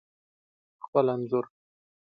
خپل انځور